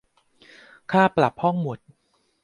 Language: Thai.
ค่าปรับห้องหมุด